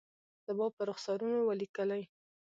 زما پر رخسارونو ولیکلي